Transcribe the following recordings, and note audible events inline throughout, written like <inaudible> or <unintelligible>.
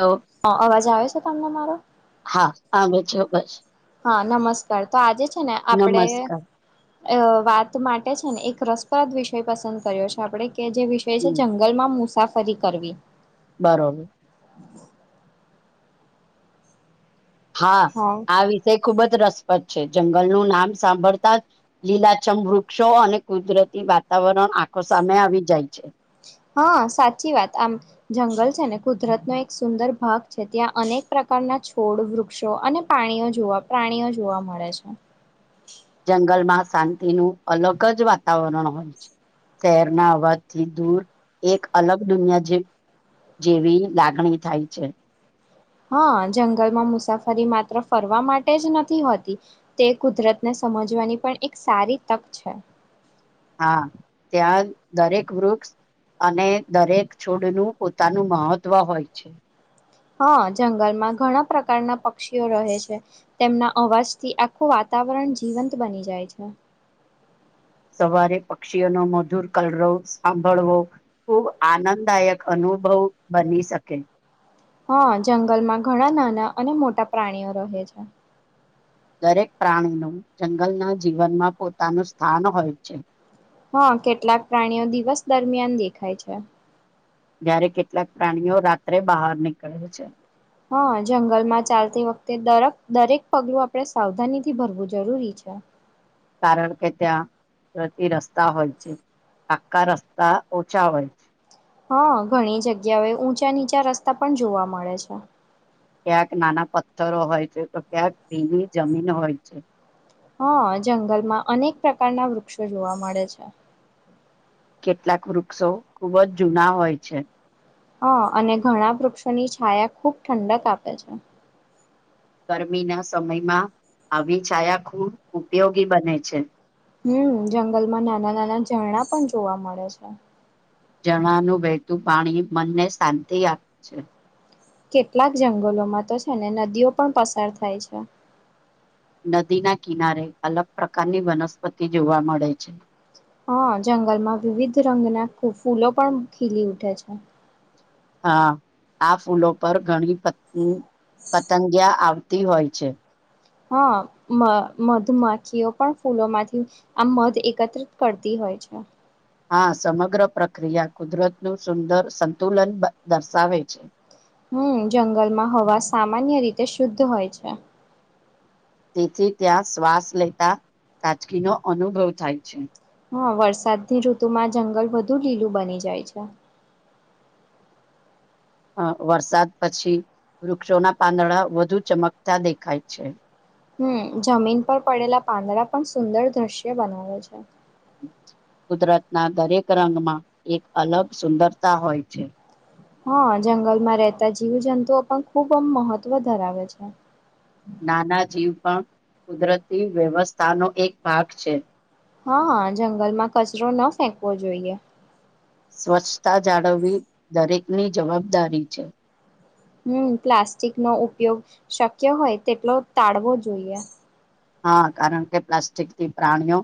તો હા અવાજ આવે છે તમને મારો? હા આવે છે બસ હા નમસ્કાર તો આજે છે ને આપડે નમસ્કાર અ વાત માટે છે ને એક રસપ્રદ વિષય પસંદ કર્યો છે. આપણેે કે જે વિષય છે હમ જંગલમાં મુસાફરી કરવી. બરોબર. <inaudible> હા આ વિષય ખુબ જ રસ પદ છે. જંગલનું નામ સાંભળતા લીલાછમ વૃક્ષો અને કુદરતી વાતાવરણ આખો સામે આવી જાય છે. હા સાચી વાત આમ જંગલ છે ને કુદરતનોો એક સુંદર ભાગ છે ત્યાં અનેક પ્રકાર ના છોડ વૃક્ષો અને પ્રણીઓ જોવા પ્રાણીઓ જોવા મળે છે. જંગલમાં શાંતિનું અલગ જ વાતાવરણ હોય છે. શહેરના અવાજથી દૂર એક અલગ દુનિયા જે જેવી લાગણી થાય છે. હા જંગલમાં મુસાફરી માત્ર ફરવા માટે જ નથી હોતી તે કુદરત ને સમજવાની પણ એક સારી તક છે. હા ત્યાં દરેક વૃક્ષ અને દરેક છોડનું પોતાનું મહત્વ હોય છે. હા જંગલમાં ઘણા પ્રકારના પક્ષીઓ રહે છે તેમના અવાજથી આખું વાત વાતાવરણ જીવંત બની જાય છે. સવારે પક્ષીઓનો મધુર કલવ સાંભળવો ખુબ આનંદ દાયક અનુ અનુભવ બની શકે. હા જંગલમાં ઘણા નાના અને મોટા પ્રાણીઓ રહે છે. દરેક પ્રાણીનું જંગલના જીવનમાં પોતાનું સ્થાન હોય છે. હા કેટલાક પ્રાણીઓ દિવસ દરમિયાન દેખાય છે. જ્યારે કેટલાક પ્રાણીઓ રાત્રે બહાર નીકળે છે. હા જંગલમાં ચાલતી વખતે દરેક પગલું આપડણે સાવધાની થી ભરવું જરૂરી છે. અચ્છા. કારણ કે ત્યાં પ્રતિ રસ્તા હોય છે. આકા રસ્તા ઓછા હોય છે. હા ઘણી જગ્યાઓ ઊંચા નીચા રસ્તા પણ જોવા મળે છે. ક્યાંક નાના પથ્થરો હોય છે તો ક્યાંક ભીની જમીન હોય છે. હા જંગલમાં અનેક પ્રકારના વૃક્ષો જોવા મળે છે. કેટલાક વૃક્ષો ખૂબ જ જૂના હોય છે. હ અને ઘણા વૃક્ષોની છાયા ખૂબ ઠંડક આપે છે. ગરમીના સમયમાં આવી છાયા ખૂબ ઉપયોગી બને છે. હમ જંગલમાં નાના નાના ઝરણા પણ જોવા મળે છે. જણાનું વહેતું પાણી મનને શાંતિ આપે છે. કેટલાક જંગલોમાં તો છે ને નદીઓ પણ પસાર થાય છે. નદીના કિનારે અલગ પ્રકારની વનસ્પતિ જોવા મળે છે. હા જંગલમાં વિવિધ રંગના ફૂલો પણ ખીલી ઉઠે છે. હા આ ફૂલો પર ઘણી પતંગિયા આવતી હોય છે. હા મધુમાખીઓ પણ ફૂલો માંથી આમ મધ એકત્રિત કરતી હો. હોય છે. હા સમગ્ર પ્રક્રિયા કુદરતનું સુંદર સંતુલન દર્શાવે છે. હમ જંગલમાં હવા સામાન્ય રીતે શુદ્ધ હોય છે. તેથી ત્યાં શ્વાસ લેતા તાજકીનો અનુભવ થાય છે. હા વરસાદની ઋતુમાં જંગલ વધુ લીલું બની જાય છે. અ વરસાદ પછી વૃક્ષોના પાંદડા વધુ ચમકતા દેખાય છે. હમ જમીન પર પડેલા પાંદડા પણ સુંદર દ્રશ્ય બનાવે છે. કુદરતના દરેક રંગમાં એક અલગ સુંદરતા હોય છે. હા જંગલમાં રહેતા જીવ જંતુઓ પણ ખૂબ આમ મહત્વ ધરાવે છે. નાના જીવ પણ કુદરતી વ્યવસ્થાનો એક ભાગ છે. હા જંગલમાં કચરો ન ફેંકવો જોઈએ સ્વચ્છતા જાળવવી દરેકની જવાબદારી છે. હમ પ્લાસ્ટિક નો ઉપયોગ શક્ય હોય તેટલો ટાળવો જોઈએ. હા કારણ કે પ્લાસ્ટિકથી પ્રાણીઓ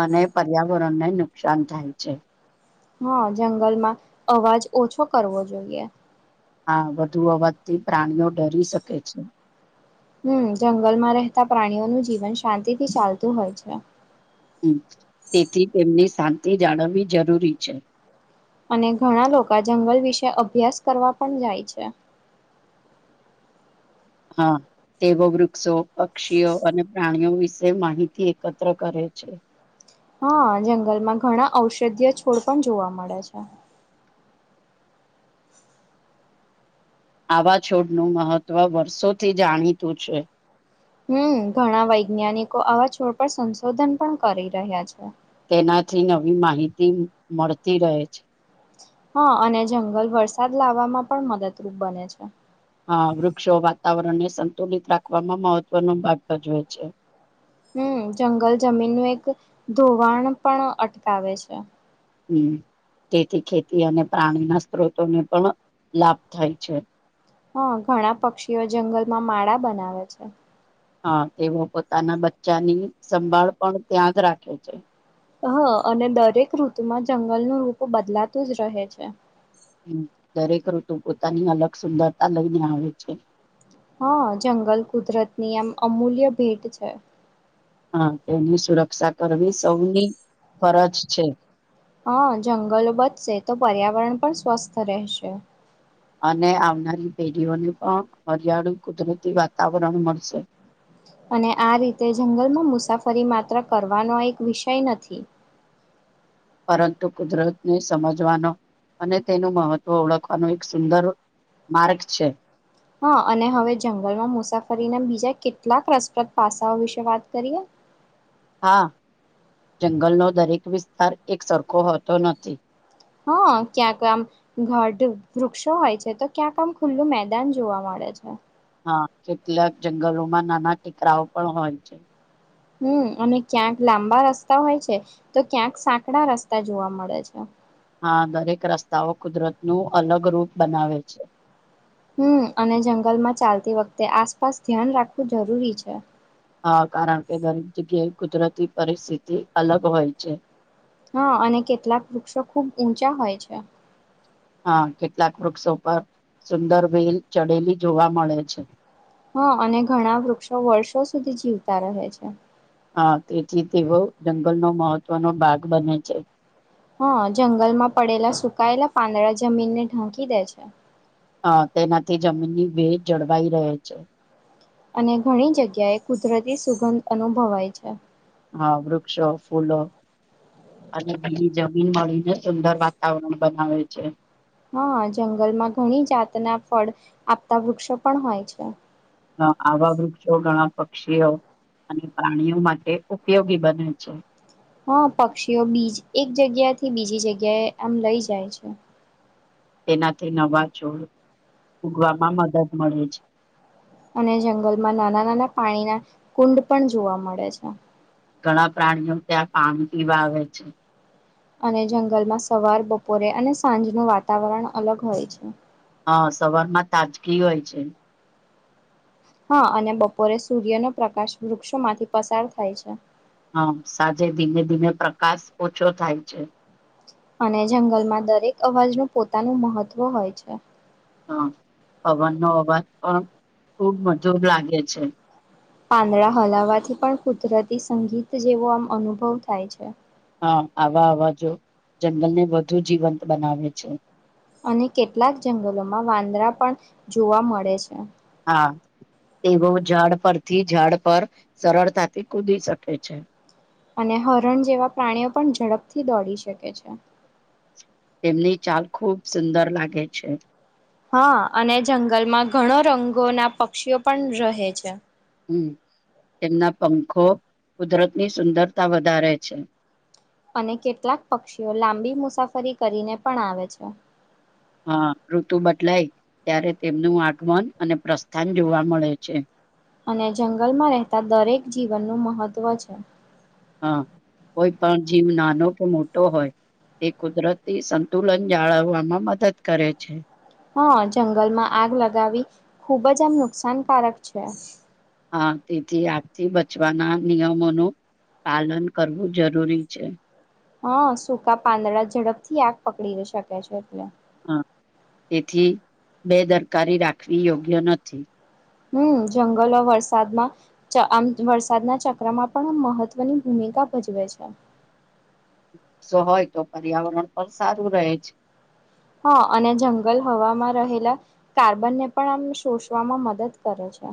અને પર્યાવરણને નુકસાન થાય છે હા જંગલમાં અવાજ ઓછો કરવો જોઈએ હા વધુ અવાથી પ્રાણીઓ ડરી શકે છે. હમ જંગલમાં રહેતા પ્રાણીઓનું જીવન શાંતિથી ચાલતું હોય છે તેથી તેમની શાંતિ જાળવવી જરૂરી છે અને ઘણા લોકો જંગલ વિશે અભ્યાસ કરવા પણ જાય છે હા તેઓ વૃક્ષો પક્ષીઓ અને પ્રાણીઓ વિશે માહિતી એકત્ર કરે છે હા જંગલમાં ઘણા ઔષધીય છોડ પણ જોવા મળે છે આવા છોડનું મહત્ત્વ વર્ષોથી જાણીતું છે હમ ઘણા વૈજ્ઞાનિકો આવા છોડ પર સંશોધન પણ કરી રહ્યા છે તેનાથી નવી માહિતી મળતી રહે છે હા અને જંગલ વરસાદ લાવામાં પણ મદદરૂપ બને છે આ વૃક્ષો વાતાવરણને સંતુલિત રાખવામાં મહત્વનો ભાગજવે છે હમ જંગલ જમીનનું એક ધોવાણ પણ અટકાવે છે હમ તેથી ખેતી અને પ્રાણીના સ્ત્રોતોને પણ લાભ થાય છે હા ઘણા પક્ષીઓ જંગલમાં માળા બનાવે છે હા તેઓ પોતાના બચ્ચાની સંભાળ પણ ત્યાં જ રાખે છે હ અને દરેક ઋતુમાં જંગલનું રૂપ બદલાતું જ રહે છે હમ દરેક ઋતુ પોતાની અલગ સુંદરતા લઈને આવે છે હા જંગલ કુદરત ની એમ અમૂલ્ય ભેટ છે હા તેની સુરક્ષા કરવી સૌની ફરજ છે હા જંગલો બચશે તો પર્યાવરણ પણ સ્વસ્થ રહેશે અને આવનારી પેઢીઓને પણ હરિયાળુ કુદરતી વાતાવરણ મળશે અને આ રીતે જંગલમાં મુસાફરી માત્ર કરવાનો એક વિષય નથી પરંતુ કુદરતને સમજવાનો અને તેનું મહત્વ ઓળખવાનો એક સુંદર માર્ગ છે હા અને હવે જંગલમાં મુસાફરીના બીજા કેટલાક રસપ્રદ પાસાઓ વિશે વાત કરીએ <inaudible> હા જંગલનો દરેક વિસ્તાર એક સરખો હોતો નથી હા ક્યાંક આમ ઘડ વૃક્ષો હોય છે તો ક્યાંક આમ ખુલ્લું મેદાન જોવા મ ળે છે હા કેટલાક જંગલોમાં નાના ટેકરાઓ પણ હોય છે હમ અને ક્યાંક લાંબા રસ્તા હોય છે તો ક્યાંક સાંકડા રસ્તા જોવા મળે છે આ દરેક રસ્તાઓ કુદરતનું અલગ રૂપ બનાવે છે હમ અને જંગલમાં ચાલતી વખતે આસપાસ ધ્યાન રાખવું જરૂરી છે હા કારણ કે દરેક જગ્યાએ કુદરતી પરિસ્થિતિ અલગ હોય છે હા અને કેટલાક વૃક્ષો ખુબ ઊંચા હોય છે હા કેટલાક વૃક્ષો પર સુંદર વેલ ચડેલી જોવા મળે છે હા અને ઘણા વૃક્ષો વર્ષો સુધી જીવતા રહે છે હા તેથી તેઓ જંગલનો મહત્વનો ભાગ બને છે હા જંગલમાં પડેલા સુકાયેલા પાંદડા જમીનને ઢાંકી દે છે આ તેનાથી જમીનની ભેજ જળવાઈ રહે છે અને ઘણી જગ્યાએ કુદરતી સુગંધ અનુભવાય છે હા વૃક્ષો, ફૂલો અને બીની જમીન મળીને ઉંદર વાતાવરણ બનાવે છે હા જંગલમાં ઘણી જાતના ફળ આપતા વૃક્ષો પણ હોય છે હા આવા વૃક્ષો ઘણા પક્ષીઓ અને પ્રાણીઓ માટે ઉપયોગી બને છે હા પક્ષીઓ બીજ એક જગ્યા થી બીજી જગ્યાએ આમ લઈ જાય છે તેનાથી નવા છોડ ઉગવામાં મદદ મળે છે અને જંગલમાં નાના નાના પાણીના કુંડ પણ જોવા મળે છે ઘણા પ્રાણીઓ ત્યાં પાણી પીવા આવે છે અને જંગલમાં સવાર બપોરે અને સાંજનું વાતાવરણ અલગ હોય છે હા સવાર માં તાજગી હોય છે હા અને બપોરે સૂર્યનો પ્રકાશ વૃક્ષોમાંથી પસાર થાય છે હા સાંજે ધીમે ધીમે પ્રકાશ ઓછો થાય છે અને જંગલમાં દરેક અવાજનું પોતાનું મહત્વ હોય છે હ પવનનો અવાજ પણ ખુબ મધુર લાગે છે પાંદડા હલાવાથી પણ કુદરતી સંગીત જેવો આમ અનુભવ થાય છે. હા, આવા અવા જો જંગલને વધુ જીવંત બનાવે છે. અને કેટલાક જંગલોમાં વાંદરા પણ જોવા મળે છે. હા. તેઓ ઝાડ પરથી ઝાડ પર સરળતાથી કૂદી શકે છે. અને હરણ જેવા પ્રાણીઓ પણ ઝડપથી દોડી શકે છે. તેમની ચાલ ખૂબ સુંદર લાગે છે. હા અને જંગલમાં ઘણો રંગોના પક્ષીઓ પણ રહે છે. હમ્મ. તેમના પંખો કુદરતની સુંદરતા વધારે છે. અને કેટલાક પક્ષીઓ લાંબી મુસાફરી કરીને પણ આવે છે. હા, ઋતુ બદલાય ત્યારે તેમનું આગમન અને પ્રસ્થાન જોવા મળે છે. અને જંગલમાં રહેતા દરેક જીવનનું મહત્ત્વ છે. હા, કોઈ પણ જીવ નાનો કે મોટો હોય તે કુદરતી સંતુલન જાળવવામાં મદદ કરે છે. હા, જંગલમાં આગ લગાવી ખુબ જ આમ નુકસાનકારક છે. હા, તેથી આગથી બચવાના નિયમોનું પાલન કરવું જરૂરી છે. હા, સૂકા પાંદડા ઝડપથી આગ પકડી શકે છે એટલે. હા, તેથી બેદરકારી રાખવી યોગ્ય નથી. હમ્મ, જંગલો વરસાદમાં ચ આમ વરસાદના ચક્રમાં પણ આમ મહત્વની ભૂમિ કા ભજવે છે. સો હોય તો પર્યાવરણ પણ સારું રહે છે. હા અને જંગલ હવામાં રહેલા કાર્બનને પણ આમ શોષવામાં મદદ કરે છે.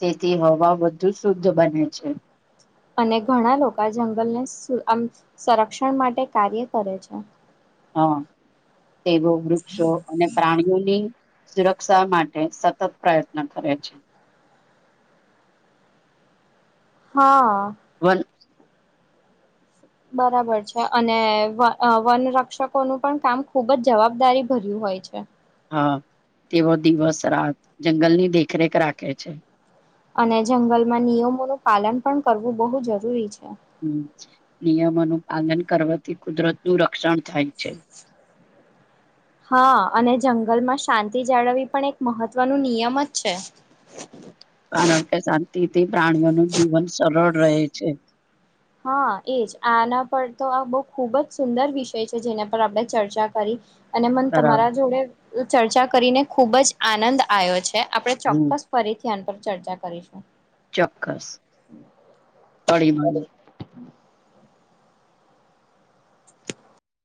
તેથી હવા વધુ શુદ્ધ બને છે. અને ઘણા લોકો જંગલને સુ આમ સંરક્ષણ માટે કાર્ય કરે છે. હા, તેવો વૃક્ષો અને પ્રાણીઓની સુરક્ષા માટે સતત પ્રયત્ન કરે છે. હા. વન બરાબર છે અને વ અહ વન રક્ષકોનું પણ કામ ખુબ જ જવાબદારી ભર્યું હોય છે. હા, તેઓ દિવસ રાત જંગલની દેખરેખ રાખે છે. અને જંગલમાં નિયમોનું પાલન પણ કરવું બહુ જરૂરી છે. હમ્મ, નિયમોનું પાલન કરવાથી કુદરતનું રક્ષણ થાય છે. હ હા અને જંગલમાં શાંતિ જાળવવી પણ એક મહત્વનું નિયમ જ છે. <unintelligible> કારણ કે શાંતિથી પ્રાણીઓનું જીવન સરળ રહે છે. હા એજ આના પર તો આ બહ ખૂબ જ સુંદર વિષય છે જેના પર આપણે ચર્ચા કરી. અને મન બરાબર તમારા જોડે ચર્ચા કરીને ખુબ જ આનંદ આયો છ છે આપણે હમ ચોક્કસ ફરી ધ્યાન પર ચર્ચા કરીશું. ચોક્કસ પડી મળીયે.